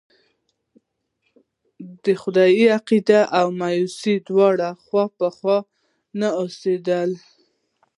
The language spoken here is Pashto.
د خدای عقيده او مايوسي دواړه خوا په خوا نه اوسېدلی.